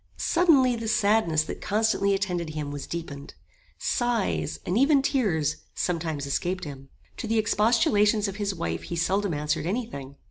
Suddenly the sadness that constantly attended him was deepened. Sighs, and even tears, sometimes escaped him. To the expostulations of his wife he seldom answered any thing.